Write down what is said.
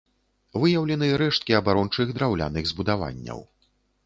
Выяўлены рэшткі абарончых драўляных збудаванняў.